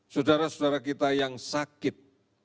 saudara saudara kita yang sakit